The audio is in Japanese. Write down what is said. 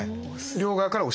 両側から押します。